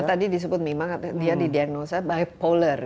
nah tadi disebut memang dia didiagnosa bipolar